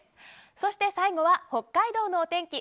そして最後は北海道のお天気。